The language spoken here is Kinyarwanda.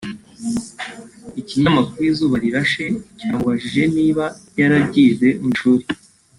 Ikinyamakuru Izuba Rirashe cyamubajije niba yarabyize mu ishuri